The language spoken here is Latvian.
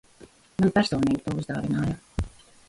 Man personīgi to uzdāvināja.